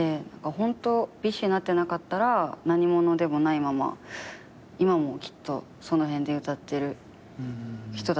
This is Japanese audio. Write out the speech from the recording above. ホントＢｉＳＨになってなかったら何者でもないまま今もきっとその辺で歌ってる人だっただろうなって思いますし。